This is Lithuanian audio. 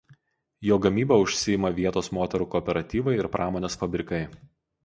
Jo gamyba užsiima vietos moterų kooperatyvai ir pramonės fabrikai.